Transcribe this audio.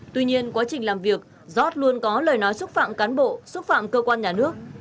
tuy nhiên quá trình làm việc giót luôn có lời nói xúc phạm cán bộ xúc phạm cơ quan nhà nước